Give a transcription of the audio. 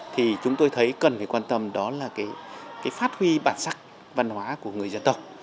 thì chúng tôi thấy cần phải quan tâm đó là cái phát huy bản sắc văn hóa của người dân tộc